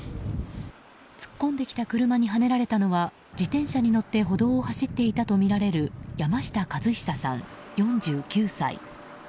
突っ込んできた車にはねられたのは自転車に乗って歩道を走っていたとみられる山下和久さん、４９歳。